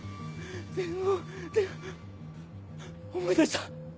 思い出した！